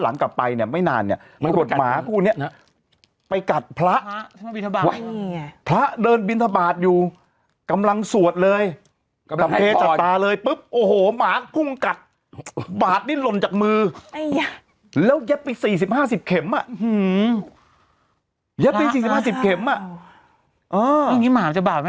นี่สุนัขพันธุ์มันวิ่งเข้าร้านอ่ะ